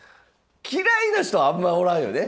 嫌いな人あんまおらんよね？